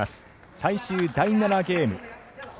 最終第７ゲーム。